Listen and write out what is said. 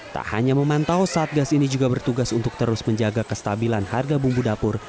tak hanya memantau satgas ini juga bertugas untuk terus menjaga kestabilan harga bumbu dapur